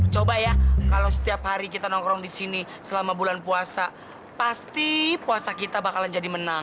coba ya kalau setiap hari kita nongkrong di sini selama bulan puasa pasti puasa kita bakalan jadi menang